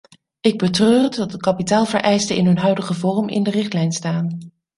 Ik betreur het dat de kapitaalvereisten in hun huidige vorm in de richtlijn staan.